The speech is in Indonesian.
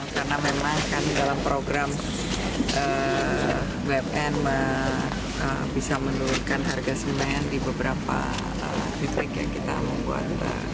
karena memang kan dalam program bumn bisa menurunkan harga semen di beberapa titik yang kita membuat